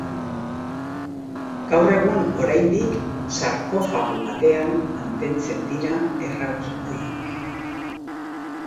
Gaur egun oraindik sarkofago batean mantentzen dira errauts horiek.